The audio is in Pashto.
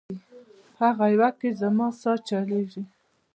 هغه یوه کي زما سا چلیږي